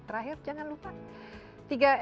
terakhir jangan lupa